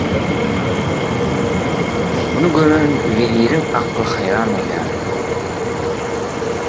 Muny gören weziriň akly haýran bolýar.